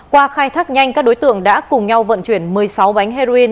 qua khai thác nhanh các đối tượng đã cùng nhau vận chuyển một mươi sáu bánh heroin